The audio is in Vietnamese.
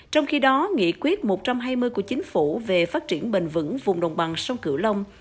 trong khi đó nghị quyết một trăm hai mươi của chính phủ về phát triển bền vững vùng đồng bằng sông cửu long